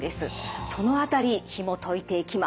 その辺りひもといていきます。